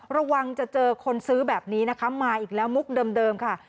ระวังจะเจอคนซื้อแบบนี้นะคะมาอีกแล้วมุกเดิมค่ะ